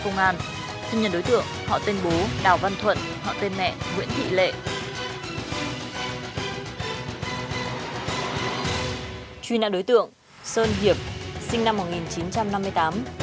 ngày hai mươi tháng ba năm một nghìn chín trăm tám mươi năm